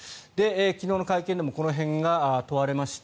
昨日の会見でもこの辺が問われました。